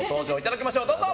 どうぞ！